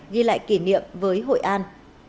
ghi lại kỷ niệm với hội an